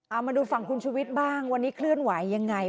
เอามาดูฝั่งคุณชุวิตบ้างวันนี้เคลื่อนไหวยังไง